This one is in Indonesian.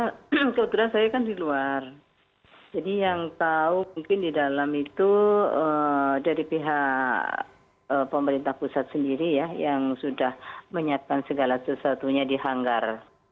kebetulan saya kan di luar jadi yang tahu mungkin di dalam itu dari pihak pemerintah pusat sendiri ya yang sudah menyiapkan segala sesuatunya di hanggar